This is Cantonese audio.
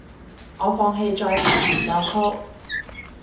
我放棄再彈前進曲